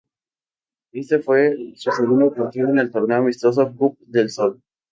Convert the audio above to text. Este fue su segundo partido en el torneo amistoso Cup del Sol.